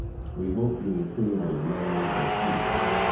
We hope you will prove as manly as he.